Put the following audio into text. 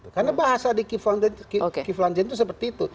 karena bahasa di kiflanzen itu seperti itu